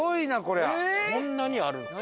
こんなにあるの？